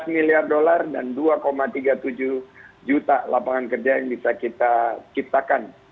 lima belas miliar dolar dan dua tiga puluh tujuh juta lapangan kerja yang bisa kita ciptakan